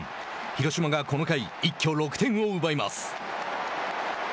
広島がこの回一挙６点を奪います。